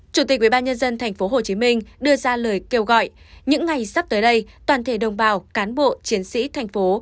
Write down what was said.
chủ tịch ubnd tp hcm đưa ra lời kêu gọi những ngày sắp tới đây toàn thể đồng bào cán bộ chiến sĩ thành phố